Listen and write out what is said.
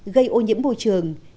gây ô nhiễm môi trường